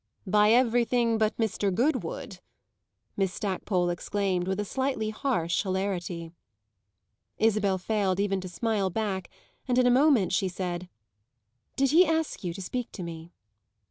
"By everything but Mr. Goodwood!" Miss Stackpole exclaimed with a slightly harsh hilarity. Isabel failed even to smile back and in a moment she said: "Did he ask you to speak to me?"